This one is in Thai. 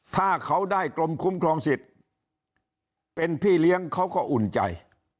ถ้าเขาได้กรมคุ้มครองสิทธิ์เป็นพี่เลี้ยงเขาก็อุ่นใจ